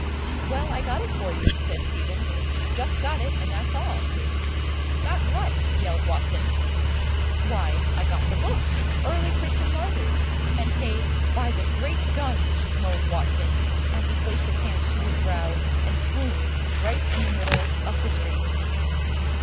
"Well, I got it for you," said Stevens, "just got it, and that's all." "Got what?" yelled Watson. "Why, I got the book, 'Early Christian Martyrs,' and paid " "By the great guns!" moaned Watson, as he placed his hands to his brow and swooned right in the middle of the street.